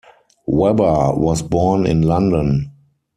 Webber was born in London.